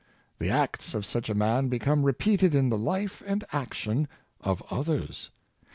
The acts of such a man become repeated in the life and action of others.